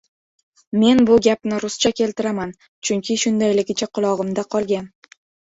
Men bu gapni ruscha keltiraman. Chunki shundayligicha qulog‘imda qolgan: